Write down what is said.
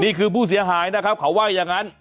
ผู้เสียหายนะครับเขาว่าอย่างนั้น